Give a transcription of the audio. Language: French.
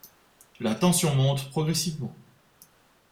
La tension monte progressivement.